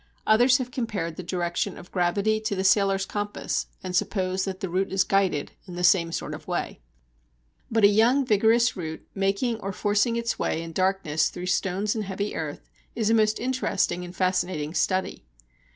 Others have compared the direction of gravity to the sailor's compass, and suppose that the root is guided in the same sort of way. Annals of Botany, 1904. But a young, vigorous root making or forcing its way in darkness through stones and heavy earth is a most interesting and fascinating study.